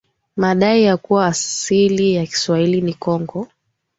madai ya kuwa asili ya Kiswahili ni Kongo